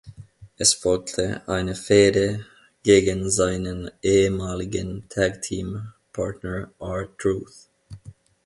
Es folgte eine Fehde gegen seinen ehemaligen Tag-Team Partner R-Truth.